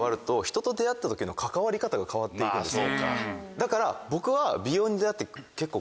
だから僕は。